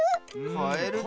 カエルだ。